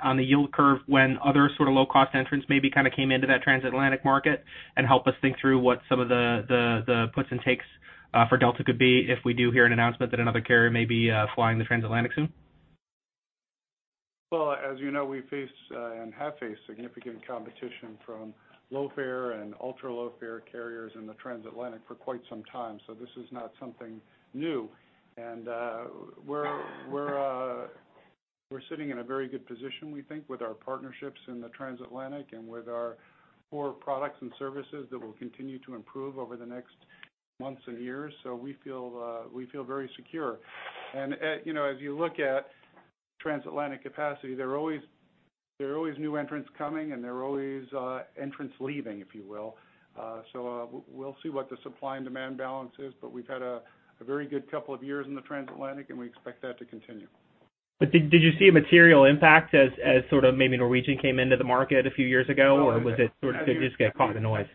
on the yield curve when other sort of low-cost entrants maybe came into that transatlantic market? Help us think through what some of the puts and takes for Delta could be if we do hear an announcement that another carrier may be flying the transatlantic soon. Well, as you know, we face and have faced significant competition from low-fare and ultra-low-fare carriers in the transatlantic for quite some time. This is not something new. We're sitting in a very good position, we think, with our partnerships in the transatlantic and with our core products and services that will continue to improve over the next months and years. We feel very secure. As you look at transatlantic capacity, there are always new entrants coming, and there are always entrants leaving, if you will. We'll see what the supply and demand balance is, but we've had a very good couple of years in the transatlantic, and we expect that to continue. Did you see a material impact as maybe Norwegian came into the market a few years ago? No. Was it sort of did you just get caught in the noise?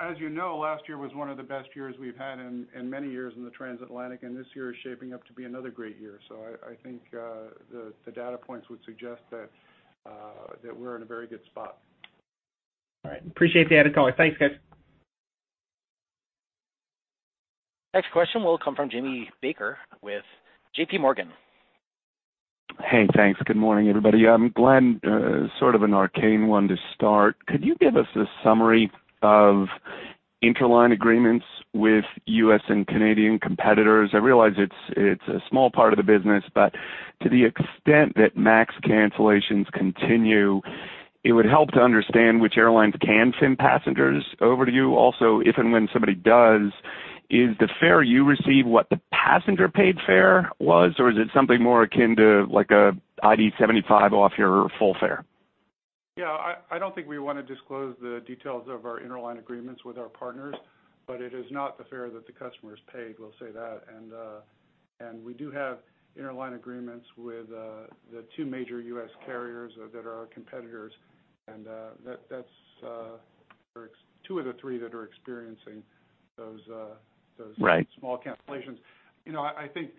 As you know, last year was one of the best years we've had in many years in the transatlantic, and this year is shaping up to be another great year. I think the data points would suggest that we're in a very good spot. All right. Appreciate the added color. Thanks, guys. Next question will come from Jamie Baker with J.P. Morgan. Hey, thanks. Good morning, everybody. Glen, sort of an arcane one to start. Could you give us a summary of interline agreements with U.S. and Canadian competitors? I realize it's a small part of the business, but to the extent that MAX cancellations continue, it would help to understand which airlines can send passengers over to you. Also, if and when somebody does, is the fare you receive what the passenger paid fare was, or is it something more akin to like a ID75 off your full fare? Yeah, I don't think we want to disclose the details of our interline agreements with our partners, but it is not the fare that the customers paid, we'll say that. We do have interline agreements with the two major U.S. carriers that are our competitors, and that's two of the three that are experiencing those. Right small cancellations. I think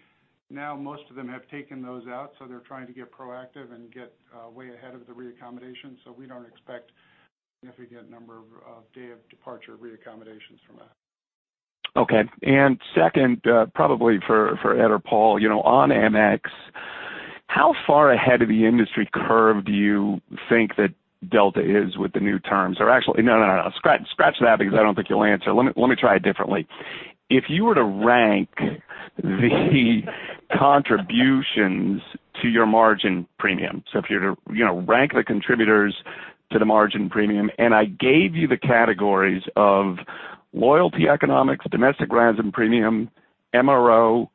now most of them have taken those out, so they're trying to get proactive and get way ahead of the reaccommodation. We don't expect significant number of day-of-departure reaccommodations from that. Okay. Second, probably for Ed or Paul. On Amex, how far ahead of the industry curve do you think that Delta is with the new terms? Actually, no. Scratch that because I don't think you'll answer. Let me try it differently. If you were to rank the contributions to your margin premium, so if you were to rank the contributors to the margin premium, and I gave you the categories of loyalty economics, domestic RASM premium, MRO,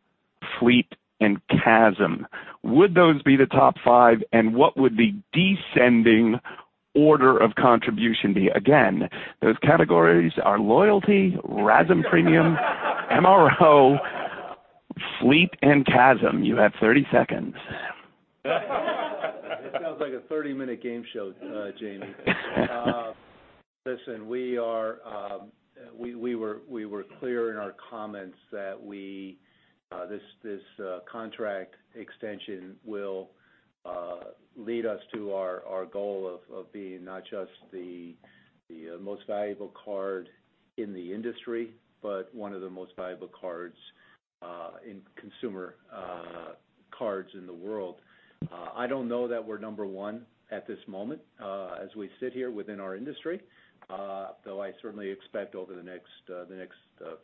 fleet, and CASM, would those be the top five and what would the descending order of contribution be? Again, those categories are loyalty, RASM premium, MRO, fleet, and CASM. You have 30 seconds. It sounds like a 30-minute game show, Jamie. Listen, we were clear in our comments that this contract extension will lead us to our goal of being not just the most valuable card in the industry, but one of the most valuable cards in consumer cards in the world. I don't know that we're number 1 at this moment as we sit here within our industry. Though I certainly expect over the next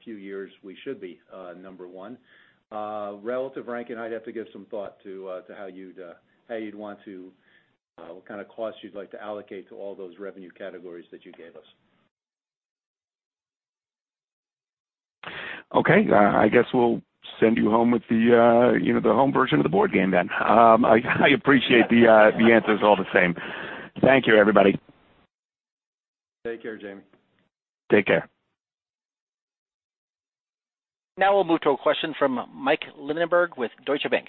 few years we should be number 1. Relative ranking, I'd have to give some thought to what kind of cost you'd like to allocate to all those revenue categories that you gave us. Okay. I guess we'll send you home with the home version of the board game then. I appreciate the answers all the same. Thank you, everybody. Take care, Jamie. Take care. Now we'll move to a question from Michael Linenberg with Deutsche Bank.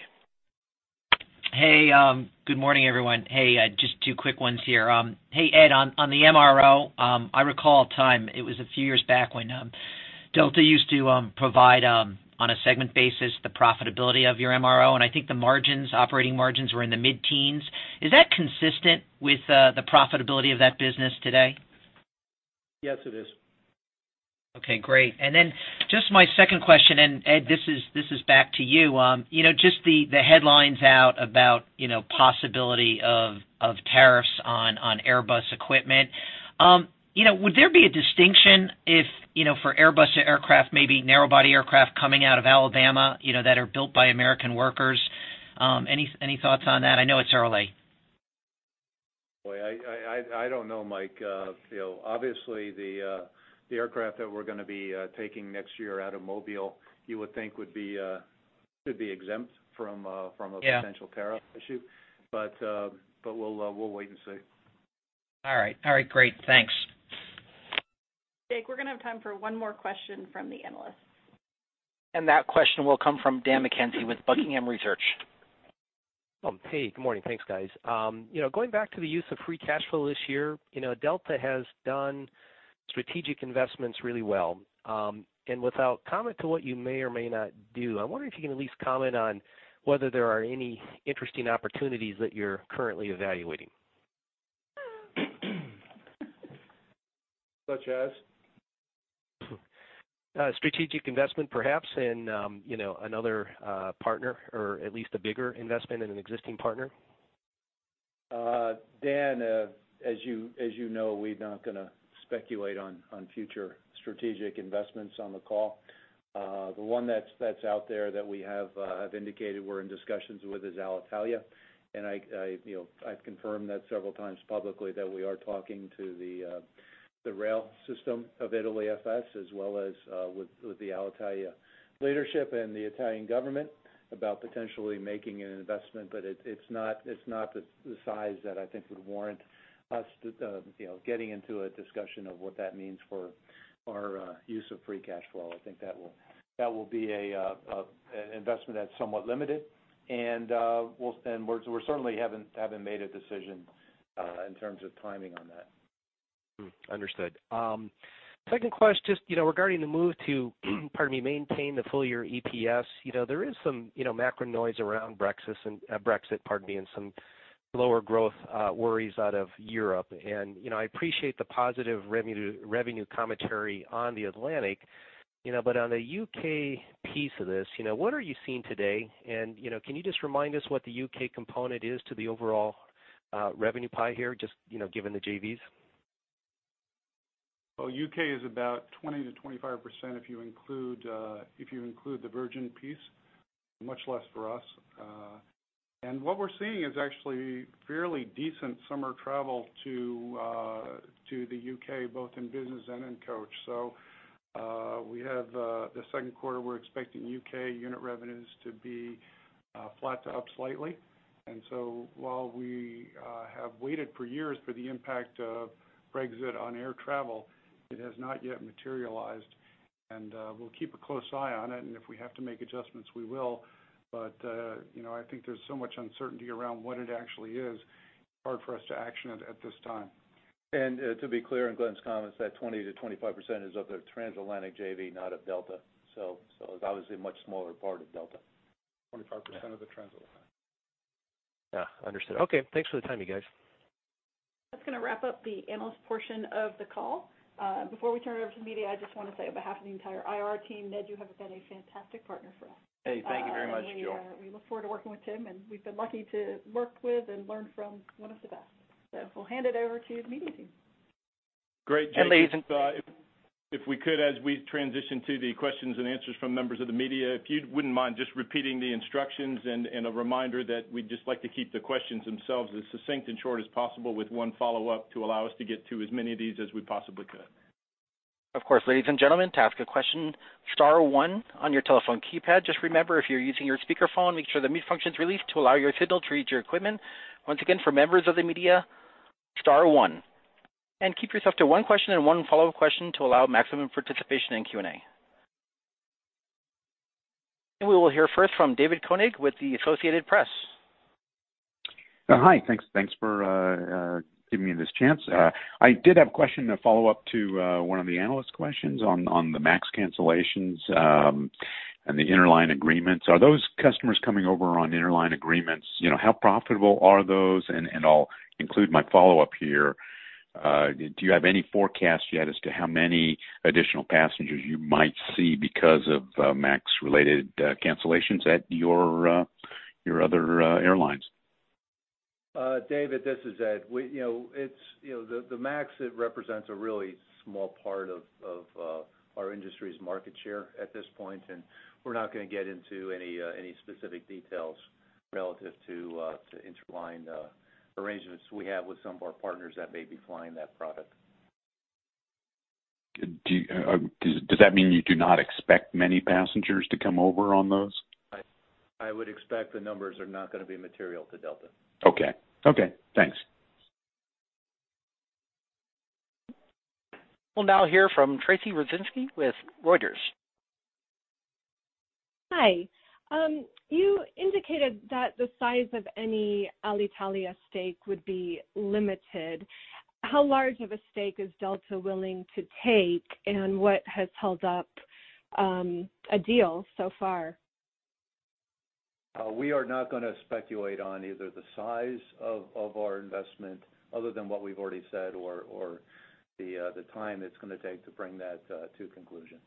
Hey, good morning, everyone. Hey, Ed, on the MRO, I recall a time, it was a few years back when Delta used to provide, on a segment basis, the profitability of your MRO, and I think the operating margins were in the mid-teens. Is that consistent with the profitability of that business today? Yes, it is. Okay, great. Then just my second question, Ed, this is back to you. Just the headlines out about possibility of tariffs on Airbus equipment. Would there be a distinction if, for Airbus aircraft, maybe narrow-body aircraft coming out of Alabama that are built by American workers? Any thoughts on that? I know it's early. Boy, I don't know, Mike. Obviously, the aircraft that we're going to be taking next year out of Mobile, you would think should be exempt from a. Yeah tariff issue. We'll wait and see. All right. Great. Thanks. Jake, we're going to have time for one more question from the analysts. That question will come from Dan McKenzie with Buckingham Research. Hey, good morning. Thanks, guys. Going back to the use of free cash flow this year. Delta has done strategic investments really well. Without comment to what you may or may not do, I wonder if you can at least comment on whether there are any interesting opportunities that you're currently evaluating. Such as? Strategic investment, perhaps, in another partner or at least a bigger investment in an existing partner. Dan, as you know, we're not going to speculate on future strategic investments on the call. The one that's out there that we have indicated we're in discussions with is Alitalia, and I've confirmed that several times publicly that we are talking to the rail system of Italy, FS, as well as with the Alitalia leadership and the Italian government about potentially making an investment. It's not the size that I think would warrant us getting into a discussion of what that means for our use of free cash flow. I think that will be an investment that's somewhat limited, and we certainly haven't made a decision in terms of timing on that. Understood. Second question, just regarding the move to pardon me, maintain the full year EPS. There is some macro noise around Brexit and some lower growth worries out of Europe. I appreciate the positive revenue commentary on the Atlantic, but on the U.K. piece of this, what are you seeing today? Can you just remind us what the U.K. component is to the overall revenue pie here, just given the JVs? Well, U.K. is about 20%-25% if you include the Virgin piece. Much less for us. What we're seeing is actually fairly decent summer travel to the U.K., both in business and in coach. We have the second quarter, we're expecting U.K. unit revenues to be flat to up slightly. While we have waited for years for the impact of Brexit on air travel, it has not yet materialized. We'll keep a close eye on it, and if we have to make adjustments, we will. I think there's so much uncertainty around what it actually is. Hard for us to action it at this time. To be clear in Glen's comments, that 20%-25% is of the transatlantic JV, not of Delta. It's obviously a much smaller part of Delta. 25% of the transatlantic. Yeah. Understood. Okay, thanks for the time, you guys. That's going to wrap up the analyst portion of the call. Before we turn it over to the media, I just want to say, on behalf of the entire IR team, Ned, you have been a fantastic partner for us. Hey, thank you very much, Jill. We look forward to working with Tim. We've been lucky to work with and learn from one of the best. We'll hand it over to the media team. Great. Jake. and gentlemen. If we could, as we transition to the questions and answers from members of the media, if you wouldn't mind just repeating the instructions and a reminder that we'd just like to keep the questions themselves as succinct and short as possible with one follow-up to allow us to get to as many of these as we possibly could. Of course. Ladies and gentlemen, to ask a question, star one on your telephone keypad. Just remember, if you're using your speakerphone, make sure the mute function is released to allow your signal to reach our equipment. Once again, for members of the media, star one. Keep yourself to one question and one follow-up question to allow maximum participation in Q&A. We will hear first from David Koenig with The Associated Press. Hi. Thanks for giving me this chance. I did have a question to follow up to one of the analyst questions on the MAX cancellations and the interline agreements. Are those customers coming over on interline agreements? How profitable are those? I'll include my follow-up here. Do you have any forecast yet as to how many additional passengers you might see because of MAX-related cancellations at your other airlines? David, this is Ed. The MAX, it represents a really small part of our industry's market share at this point, and we're not going to get into any specific details relative to interline arrangements we have with some of our partners that may be flying that product. Does that mean you do not expect many passengers to come over on those? I would expect the numbers are not going to be material to Delta. Okay. Thanks. We'll now hear from Tracy Rucinski with Reuters. Hi. You indicated that the size of any Alitalia stake would be limited. How large of a stake is Delta willing to take, and what has held up a deal so far? We are not going to speculate on either the size of our investment other than what we've already said or the time it's going to take to bring that to conclusion.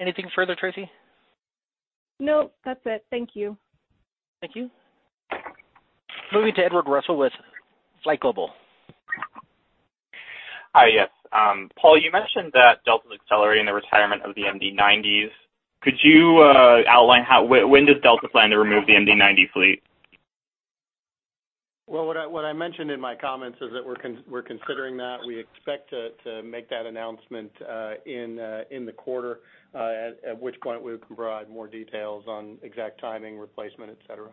Anything further, Tracy? No, that's it. Thank you. Thank you. Moving to Edward Russell with FlightGlobal. Hi, yes. Paul, you mentioned that Delta is accelerating the retirement of the MD-90s. Could you outline when does Delta plan to remove the MD-90 fleet? Well, what I mentioned in my comments is that we're considering that. We expect to make that announcement in the quarter, at which point we can provide more details on exact timing, replacement, et cetera.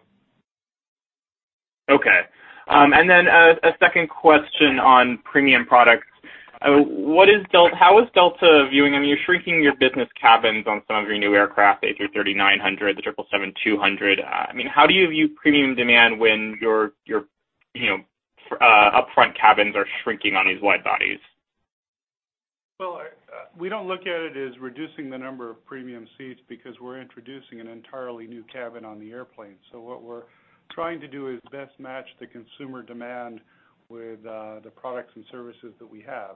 Okay. Then a second question on premium products. How is Delta viewing-- You're shrinking your business cabins on some of your new aircraft, the A330-900, the 777-200. How do you view premium demand when your upfront cabins are shrinking on these wide bodies? Well, we don't look at it as reducing the number of premium seats because we're introducing an entirely new cabin on the airplane. What we're trying to do is best match the consumer demand with the products and services that we have.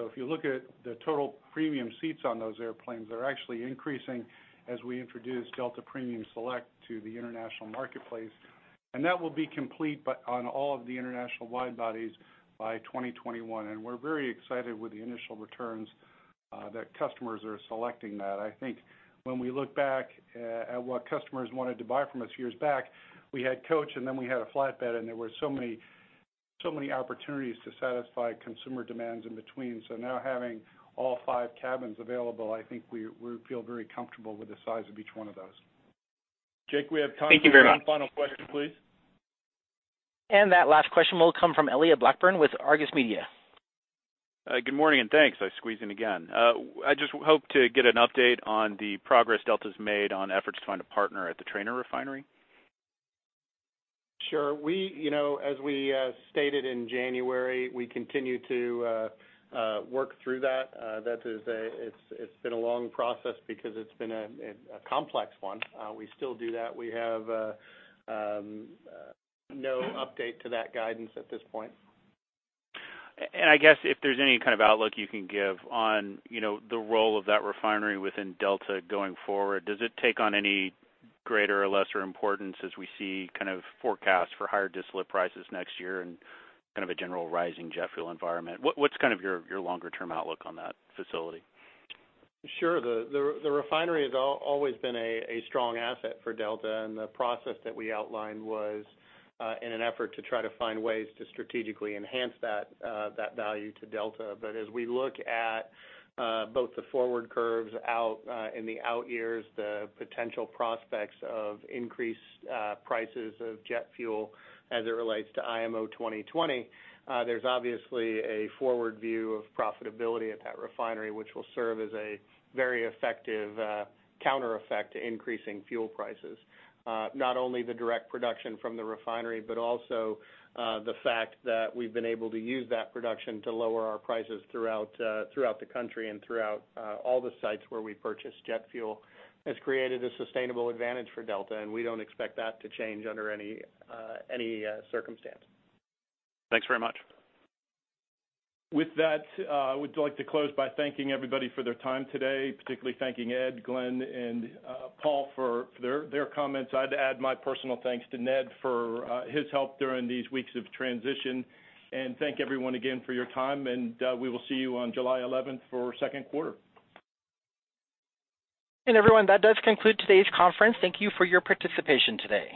If you look at the total premium seats on those airplanes, they're actually increasing as we introduce Delta Premium Select to the international marketplace. That will be complete on all of the international wide bodies by 2021. We're very excited with the initial returns that customers are selecting that. I think when we look back at what customers wanted to buy from us years back, we had coach, and then we had a flat bed, and there were so many opportunities to satisfy consumer demands in between. Now having all five cabins available, I think we feel very comfortable with the size of each one of those. Jake, we have time for one final question, please. That last question will come from Elliott Blackburn with Argus Media. Good morning, and thanks. I squeezed in again. I just hope to get an update on the progress Delta's made on efforts to find a partner at the Trainer refinery. Sure. As we stated in January, we continue to work through that. It's been a long process because it's been a complex one. We still do that. We have no update to that guidance at this point. I guess if there's any kind of outlook you can give on the role of that refinery within Delta going forward. Does it take on any greater or lesser importance as we see kind of forecasts for higher distillate prices next year and kind of a general rising jet fuel environment? What's your longer-term outlook on that facility? Sure. The refinery has always been a strong asset for Delta. The process that we outlined was in an effort to try to find ways to strategically enhance that value to Delta. As we look at both the forward curves out in the out years, the potential prospects of increased prices of jet fuel as it relates to IMO 2020, there's obviously a forward view of profitability at that refinery, which will serve as a very effective counter effect to increasing fuel prices. Not only the direct production from the refinery but also the fact that we've been able to use that production to lower our prices throughout the country and throughout all the sites where we purchase jet fuel has created a sustainable advantage for Delta, and we don't expect that to change under any circumstance. Thanks very much. With that, I would like to close by thanking everybody for their time today, particularly thanking Ed, Glen, and Paul for their comments. I'd add my personal thanks to Ned for his help during these weeks of transition. Thank everyone again for your time, and we will see you on July 11th for second quarter. And everyone, that does conclude today's conference. Thank you for your participation today.